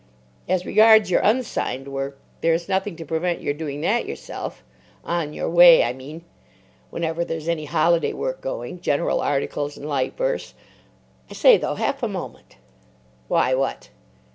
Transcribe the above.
As regards your unsigned work, there is nothing to prevent your doing that yourself—'On Your Way,' I mean, whenever there's any holiday work going: general articles, and light verse. I say, though, half a moment." "Why, what?"